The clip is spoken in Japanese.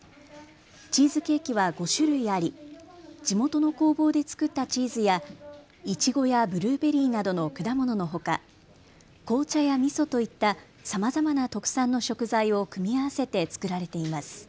チーズケーキは５種類あり地元の工房で作ったチーズやいちごやブルーベリーなどの果物のほか紅茶やみそといったさまざまな特産の食材を組み合わせて作られています。